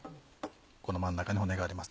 この真ん中に骨があります